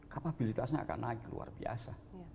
kapabilitasnya akan naik luar biasa